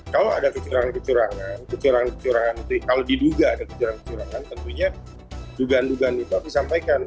kalau ada kecurangan kecurangan kecurangan kecurangan itu kalau diduga ada kecurangan kecurangan tentunya dugaan dugaan itu harus disampaikan